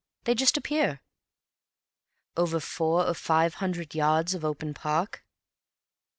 They just appear." "Over four or five hundred yards of open park?"